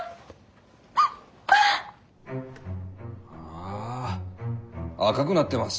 あ赤くなってます。